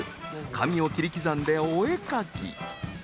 紙を切り刻んでお絵描き。